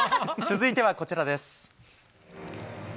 続いてはこちらです。